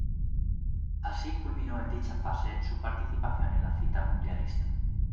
Así culminó en dicha fase su participación en la cita mundialista.